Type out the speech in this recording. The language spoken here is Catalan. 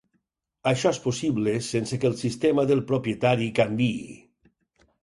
Això és possible sense que el sistema del propietari canviï.